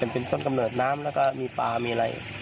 เป็นต้นกำเนิดน้ำแล้วก็มีปลามีอะไร